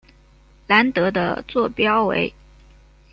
兰德的座标为。